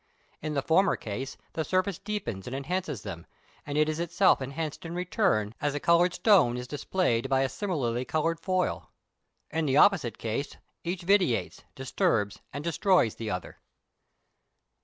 In the former case the surface deepens and enhances them, and is itself enhanced in return, as a coloured stone is displayed by a similarly coloured foil. In the opposite case each vitiates, disturbs, and destroys the other.